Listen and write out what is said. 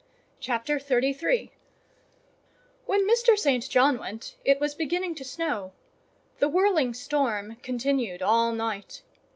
CHAPTER XXXIII When Mr. St. John went, it was beginning to snow; the whirling storm continued all night.